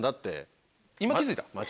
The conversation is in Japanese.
今気付いた？